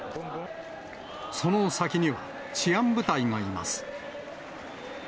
その先には、治安部隊がいます。